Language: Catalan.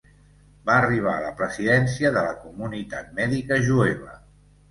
Va arribar a la presidència de la Comunitat Mèdica Jueva.